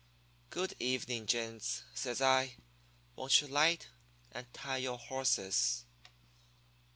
"'Good evening, gents,' says I. 'Won't you 'light, and tie your horses?'